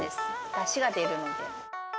だしが出るので。